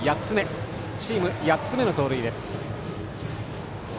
チーム８つ目の盗塁です。